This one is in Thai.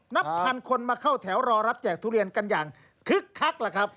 นับพันคนมาเข้าแถวรอรับแจกทุเรียนกันอย่างคึกคักล่ะครับ